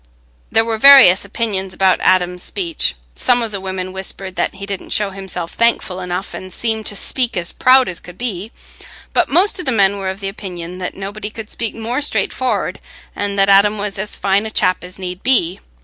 There were various opinions about Adam's speech: some of the women whispered that he didn't show himself thankful enough, and seemed to speak as proud as could be; but most of the men were of opinion that nobody could speak more straightfor'ard, and that Adam was as fine a chap as need to be.